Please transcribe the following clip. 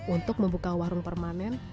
untuk membuka warung permanen